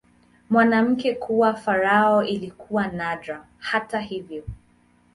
Mwanamke kuwa farao ilikuwa nadra, hata hivyo.